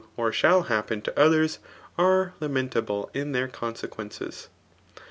or shall happen to others* are Jamentahle in their cansoqpiences.